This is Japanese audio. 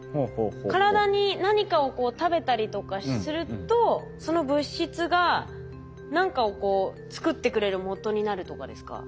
体に何かをこう食べたりとかするとその物質が何かをこう作ってくれるもとになるとかですか？